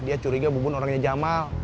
dia curiga bubun orangnya jamal